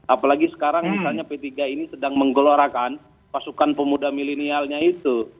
apalagi sekarang misalnya p tiga ini sedang menggelorakan pasukan pemuda milenialnya itu